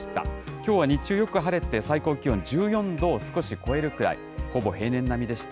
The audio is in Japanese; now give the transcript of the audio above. きょうは日中よく晴れて、最高気温１４度を少し超えるくらい、ほぼ平年並みでした。